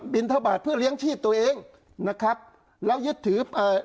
ทบทบาทเพื่อเลี้ยงชีพตัวเองนะครับแล้วยึดถืออ่า